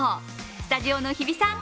スタジオの日比さん